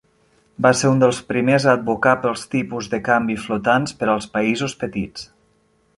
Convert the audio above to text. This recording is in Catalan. Va ser un dels primers a advocar pels tipus de canvi flotants per als països petits.